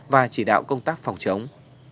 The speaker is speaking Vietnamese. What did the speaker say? và chỉ đạo công tác phòng chống